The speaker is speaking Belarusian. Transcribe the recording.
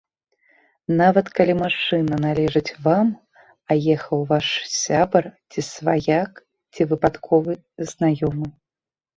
Нават калі машына належыць вам, а ехаў ваш сябар, ці сваяк, ці выпадковы знаёмы.